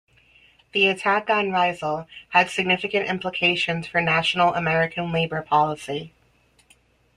The attack on Riesel had significant implications for national American labor policy.